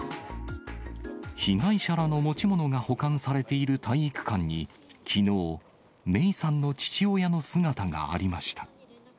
被害者らの持ち物が保管されている体育館に、きのう、芽生さんの父親の姿がありました。